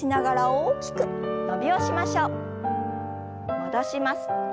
戻します。